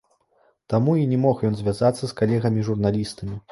Таму і не мог ён звязацца з калегамі журналістамі.